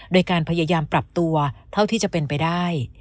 โดยการพยายามปรับตัวเท่าที่จะเป็นไปได้